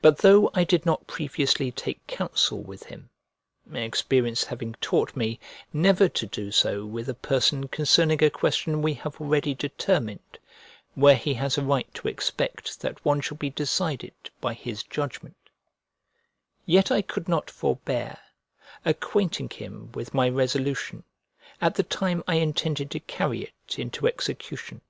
But though I did not previously take counsel with him (experience having taught me, never to do so with a person concerning a question we have already determined, where he has a right to expect that one shall be decided by his judgment), yet I could not forbear acquainting him with my resolution at the time I intended to carry it into execution.